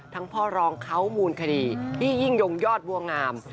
พ่อรองเขามูลคดีพี่ยิ่งยงยอดบัวงาม